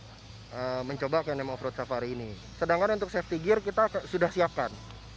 kainem of road safari ini sedangkan untuk safety gear kita sudah siapkan untuk kainem off road safari ini sedangkan untuk safety gear kita sudah siapkan